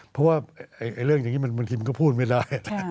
เพราะว่าเรื่องอย่างนี้บางทีมันก็พูดไม่ได้